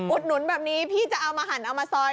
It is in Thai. หนุนแบบนี้พี่จะเอามาหั่นเอามาซอย